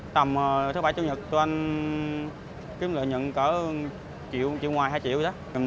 tầm thứ bảy thứ nhật tụi anh kiếm lợi nhận khoảng một triệu một triệu ngoài hai triệu